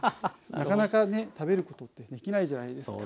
なかなかね食べることってできないじゃないですか。